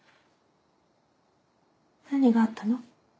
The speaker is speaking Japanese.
何があったの？